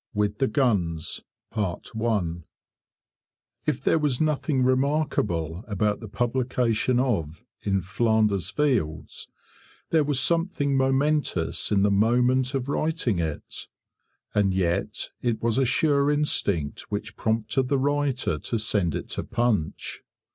With the Guns If there was nothing remarkable about the publication of "In Flanders Fields", there was something momentous in the moment of writing it. And yet it was a sure instinct which prompted the writer to send it to 'Punch'.